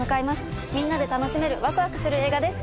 みんなで楽しめるわくわくする映画です。